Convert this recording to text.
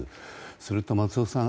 それと、松尾さん